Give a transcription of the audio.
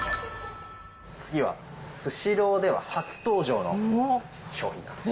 次は、スシローでは初登場の商品なんです。